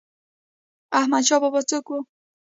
احمد شاه بابا څوک و؟